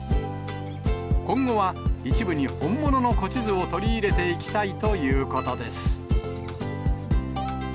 今後は、一部に本物の古地図を取り入れていきたいということです。